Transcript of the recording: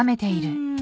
うん。